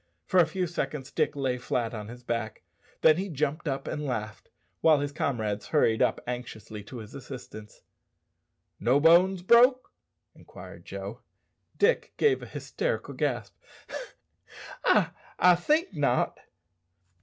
For a few seconds Dick lay flat on his back, then he jumped up and laughed, while his comrades hurried up anxiously to his assistance. "No bones broke?" inquired Joe. Dick gave a hysterical gasp. "I I think not."